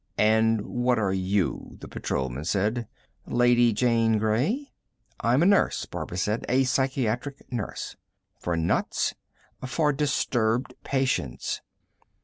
"And what are you?" the Patrolman said. "Lady Jane Grey?" "I'm a nurse," Barbara said. "A psychiatric nurse." "For nuts?" "For disturbed patients."